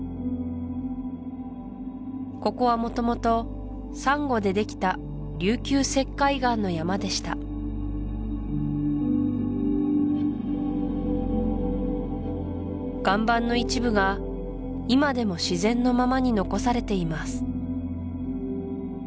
ここはもともとサンゴでできた琉球石灰岩の山でした岩盤の一部が今でも自然のままに残されています